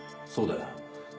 そうだよ。